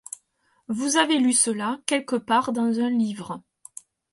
Vous avez lu cela quelque part dans un livre.